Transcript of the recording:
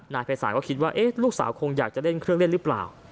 ภัยศาลก็คิดว่าลูกสาวคงอยากจะเล่นเครื่องเล่นหรือเปล่า